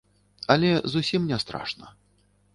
Але зусім не страшна.